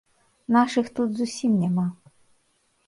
Нашых тут зусім няма.